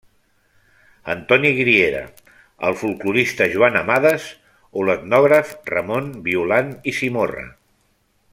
Antoni Griera, el folklorista Joan Amades o l'etnògraf Ramon Violant i Simorra.